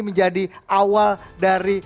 menjadi awal dari